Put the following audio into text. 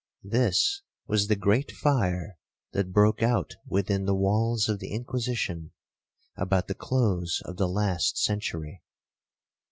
This was the great fire that broke out within the walls of the Inquisition, about the close of the last century.